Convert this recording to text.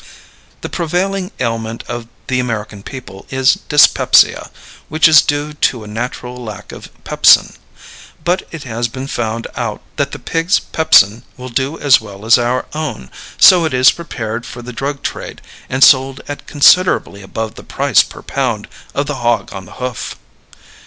The prevailing ailment of the American people is dyspepsia, which is due to a natural lack of pepsin. But it has been found out that the pig's pepsin will do as well as our own, so it is prepared for the drug trade and sold at considerably above the price per pound of the hog on the hoof.